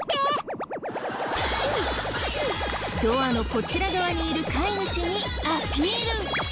ドアのこちら側にいる飼い主にアピール。